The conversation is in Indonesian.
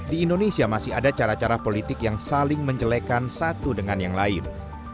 di indonesia masih ada cara cara politik yang saling menjelekan satu dengan yang lain